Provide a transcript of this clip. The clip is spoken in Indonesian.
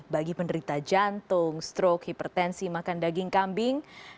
bagi penderita jantung strok hipertensi makan daging kambing